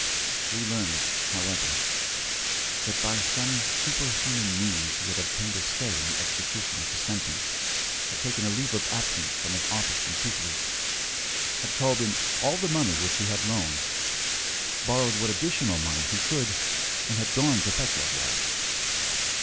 We learned, however, that by some superhuman means he had obtained a stay in the execution of the sentence, had taken a leave of absence from his office in Tiflis, had called in all the money which he had loaned, borrowed what additional money he could, and had gone to Petrograd.